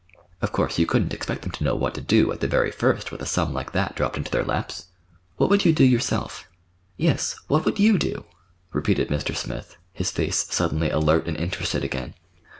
Of course, you couldn't expect them to know what to do, at the very first, with a sum like that dropped into their laps. What would you do yourself? Yes, what would you do?" repeated Mr. Smith, his face suddenly alert and interested again.